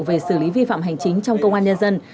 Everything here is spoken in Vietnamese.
về xử lý vi phạm hành chính trong công an nhân dân